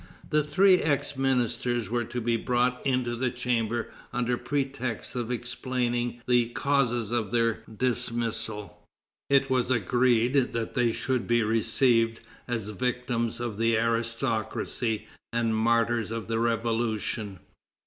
The three ex ministers were to be brought into the chamber under pretext of explaining the causes of their dismissal. It was agreed that they should be received as victims of the aristocracy and martyrs of the Revolution.